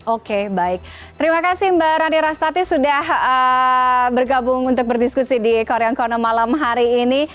oke baik terima kasih mbak rani rastati sudah bergabung untuk berdiskusi di korean corner malam hari ini